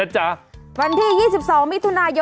ใช้เมียได้ตลอด